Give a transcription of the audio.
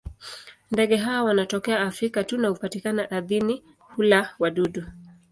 Ndege hawa wanatokea Afrika tu na hupatikana ardhini; hula wadudu.